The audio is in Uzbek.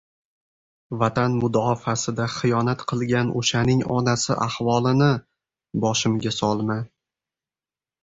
Vatan mudofaasida xiyonat qilgan o'shaning onasi ahvolini boshimga solma.